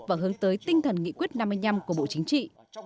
và hướng tới tinh thần nghị quyết năm mươi năm của bộ chính trị